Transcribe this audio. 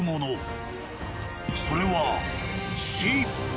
［それは］